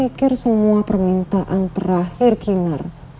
saya pikir semua permintaan terakhir kinar